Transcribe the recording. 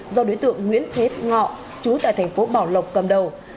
do đối tượng nguyễn thế ngọ chú tại thành phố bảo lộc cầm đầu